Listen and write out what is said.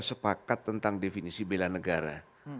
sepakat tentang definisi bela negara